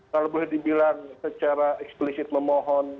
kalau boleh dibilang secara eksplisit memohon